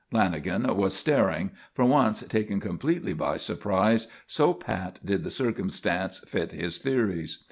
Lanagan was staring, for once taken completely by surprise, so pat did the circumstance fit his theories.